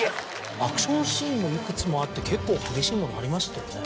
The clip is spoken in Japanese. アクションシーンもいくつもあって結構激しいものありましたよね。